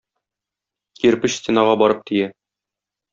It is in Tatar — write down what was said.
Кирпеч стенага барып тия.